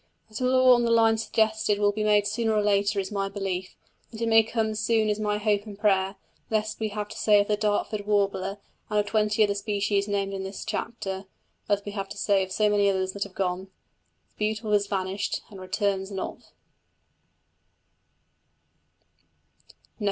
That a law on the lines suggested will be made sooner or later is my belief: that it may come soon is my hope and prayer, lest we have to say of the Dartford warbler, and of twenty other species named in this chapter, as we have had to say of so many others that have gone The beautiful is vanished and returns not.